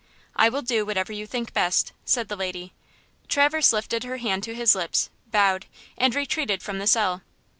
"I will do whatever you think best," said the lady. Traverse lifted her hand to his lips, bowed, and retreated from the cell.